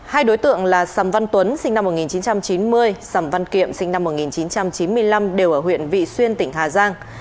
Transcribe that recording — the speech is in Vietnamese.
hai đối tượng là sầm văn tuấn sinh năm một nghìn chín trăm chín mươi sầm văn kiệm sinh năm một nghìn chín trăm chín mươi năm đều ở huyện vị xuyên tỉnh hà giang